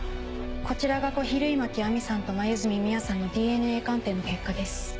こちらが小比類巻亜美さんと黛美羽さんのＤＮＡ鑑定の結果です。